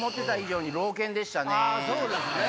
そうですね。